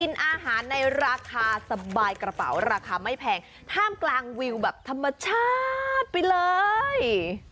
อาหารในราคาสบายกระเป๋าราคาไม่แพงท่ามกลางวิวแบบธรรมชาติไปเลย